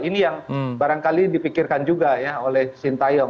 ini yang barangkali dipikirkan juga ya oleh sintayong